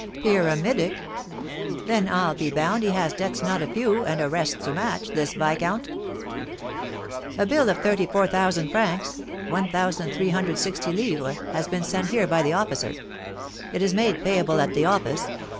"Pyramidic!" "Then, I'll be bound, he has debts not a few, and arrests to match, this viscount." "A bill of thirty four thousand francs (1,360_l._) has been sent here by the officer. It is made payable at the office.